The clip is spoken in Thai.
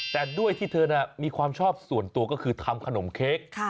แต่ด้วยที่เธอมีความชอบส่วนตัวก็คือทำขนมเค้ก